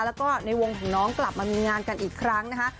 แล้วก็ในวงของน้องกลับมามีงานกันอีกครั้งนะคะ